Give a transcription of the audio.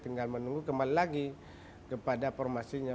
tinggal menunggu kembali lagi kepada formasinya